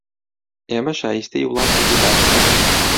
ئێمە شایستەی وڵاتێکی باشترین